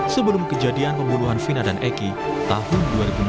sebelum kejadian pembunuhan vina dan eki tahun dua ribu enam belas